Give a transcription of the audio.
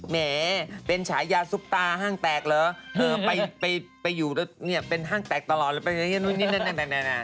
แหมเป็นฉายาซุปตาห้างแตกเหรอเธอไปอยู่เนี่ยเป็นห้างแตกตลอดเลยไปอย่างนี้นู่นนี่นั่น